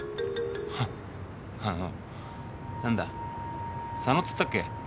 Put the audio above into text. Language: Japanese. あっあの何だ佐野っつったっけ？